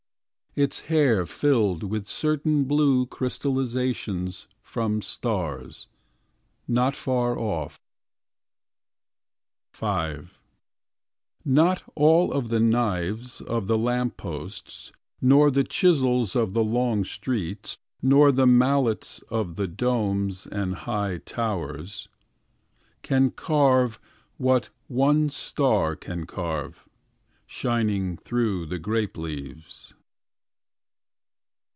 Its hair filled With certain blue crystallizations From stars. Not far off. V Not all the knives of the lamp posts. Nor the chisels of the long streets. Nor the mallets of the domes 65 And high towers. Can carve What one star can carve. Shining through the grape leaves.